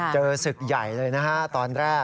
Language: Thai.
เจอศึกใหญ่เลยแสนแล้วบอกแล้ว